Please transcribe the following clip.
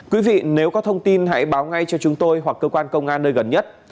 quý vị nếu có thông tin hãy báo ngay cho chúng tôi hoặc cơ quan công an nơi gần nhất